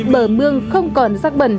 bở mương không còn rắc bẩn